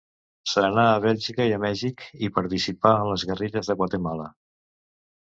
Se n'anà a Bèlgica i a Mèxic i participà en les guerrilles de Guatemala.